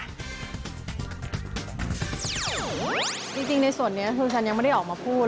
จริงในส่วนนี้คือฉันยังไม่ได้ออกมาพูด